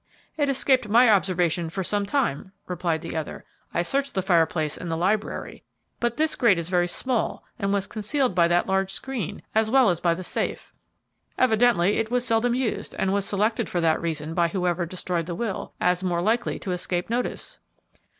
"It escaped my observation for some time," replied the other. "I searched the fireplace in the library, but this grate is very small and was concealed by that large screen, as well as by the safe. Evidently, it was seldom used, and was selected for that reason by whoever destroyed the will, as more likely to escape notice."